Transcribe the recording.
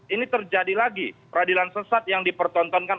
ini terjadi lagi peradilan sesat yang dipertontonkan